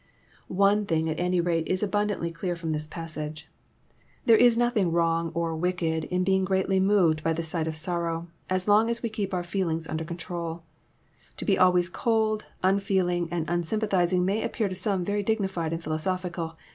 One thing, at any rate, is abundantly clear firom this passage: there is nothing wrong or wicked in being greatly moved by the sight of sorrow, so long as we keep our feelings under controL To be always cold, unfeeling, and unsympathlzing may appear to some very dignified and philosophical.